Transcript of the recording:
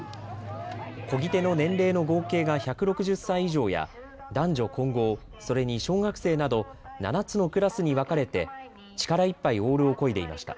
こぎ手の年齢の合計が１６０歳以上や、男女混合、それに小学生など７つのクラスに分かれて力いっぱいオールをこいでいました。